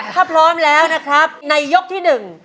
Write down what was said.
ถ้าพร้อมแล้วนะครับในยกที่๑